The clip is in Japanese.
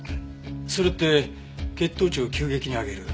それって血糖値を急激に上げる。